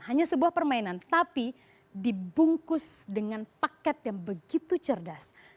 hanya sebuah permainan tapi dibungkus dengan paket yang begitu cerdas